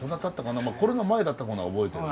コロナ前だったことは覚えてる。